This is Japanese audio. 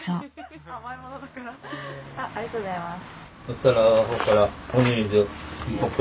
ありがとうございます。